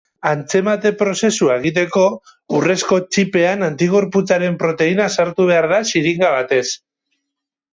Antzemate prozesua egiteko, urrezko txipean antigorputzaren proteina sartu behar da xiringa batez.